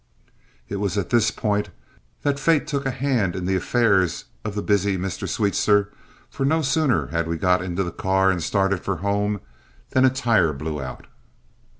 It was at this point that fate took a hand in the affairs of the busy Mr. Sweetser for no sooner had we got into the car and started for home than a tire blew out.